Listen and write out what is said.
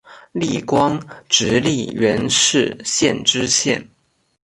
历官直隶元氏县知县。